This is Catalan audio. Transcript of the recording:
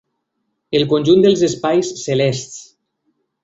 El conjunt dels espais celests.